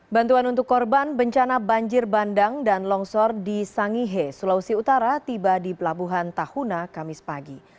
bantuan untuk korban bencana banjir bandang dan longsor di sangihe sulawesi utara tiba di pelabuhan tahuna kamis pagi